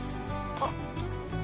あっ。